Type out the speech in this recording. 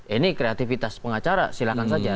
ini kreativitas pengacara silahkan saja